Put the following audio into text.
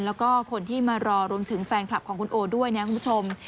แล้วก็คนที่มารอรวมถึงแฟนคลับของคุณโอด้วยนะครับคุณผู้ชม